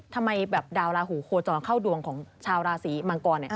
ทำไมแบบดาวลาหูโคจรเข้าดวงของชาวราศีมังกร